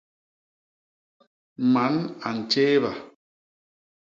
Man a ntjééba.